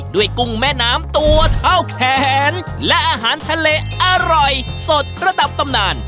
กุ้งแม่น้ำตัวเท่าแขนและอาหารทะเลอร่อยสดระดับตำนาน